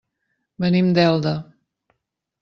Venim d'Elda.